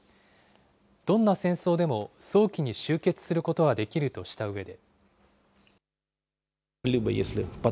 どんな戦争でも早期に集結することはできるとしたうえで。